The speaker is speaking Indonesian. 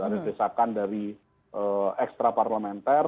ada desakan dari ekstraparlamenter